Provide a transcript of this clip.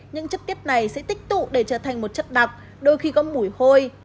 những chất tiết này sẽ tích tụ để trở thành một chất đặc đôi khi có mũi hôi